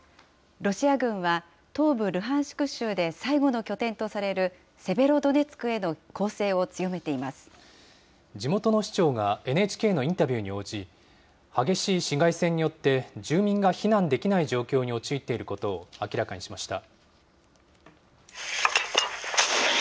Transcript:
ロシア軍は、東部ルハンシク州で最後の拠点とされるセベロドネツクへの攻勢を地元の市長がＮＨＫのインタビューに応じ、激しい市街戦によって、住民が避難できない状況に陥っていることを明らかにしました。